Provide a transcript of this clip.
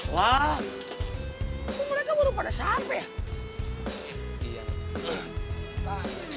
lah mereka berubah sampai